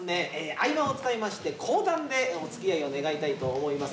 合間を使いまして講談でおつきあいを願いたいと思います。